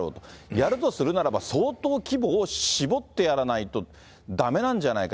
やるとするならば、相当、規模を絞ってやらないとだめなんじゃないか。